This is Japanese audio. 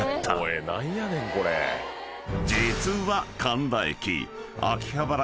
［実は］